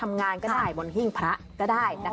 อย่างแรกเลยก็คือการทำบุญเกี่ยวกับเรื่องของพวกการเงินโชคลาภ